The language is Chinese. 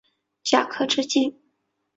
甲壳直径。